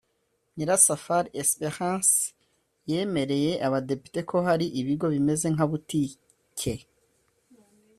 Nyirasafari Espérance yemereye Abadepite ko hari ibigo bimeze nka Butike